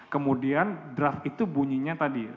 kemudian draft itu bunyinya tadi